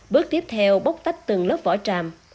bước tiếp theo bóc tách từng lớp vỏ tràm